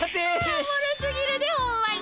おもろすぎるでホンマに。